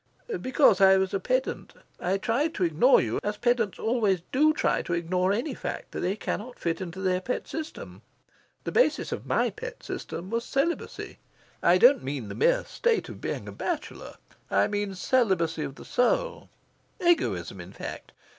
"Because I was a pedant. I tried to ignore you, as pedants always do try to ignore any fact they cannot fit into their pet system. The basis of my pet system was celibacy. I don't mean the mere state of being a bachelor. I mean celibacy of the soul egoism, in fact.